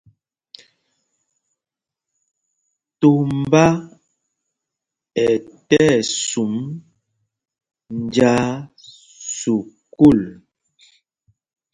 Tombá ɛ tí ɛsum njāā sukûl.